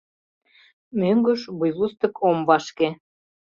Мӧҥгыш вуйвустык ом вашке.